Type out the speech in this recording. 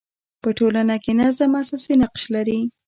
په ټولنه کي نظم اساسي نقش لري.